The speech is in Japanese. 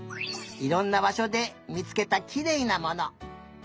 いろんなばしょでみつけたきれいなもの。